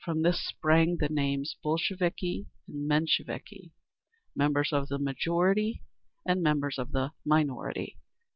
From this sprang the names "Bolsheviki" and "Mensheviki"—"members of the majority" and "members of the minority."